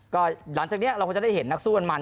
ก็หลังจากนี้เราก็จะได้เห็นนักสู้กันมัน